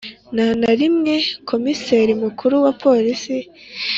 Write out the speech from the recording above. Nta na rimwe Komiseri Mukuru wa Polisi